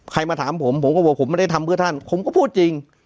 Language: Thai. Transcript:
มาถามผมผมก็บอกผมไม่ได้ทำเพื่อท่านผมก็พูดจริง